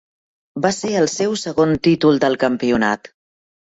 Va ser el seu segon títol del campionat.